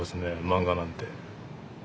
漫画なんて。